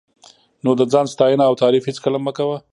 نو د ځان ستاینه او تعریف هېڅکله مه کوه.